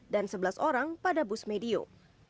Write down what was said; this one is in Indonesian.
dan sebelas orang pada bus medium